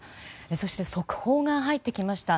そして速報が入ってきました。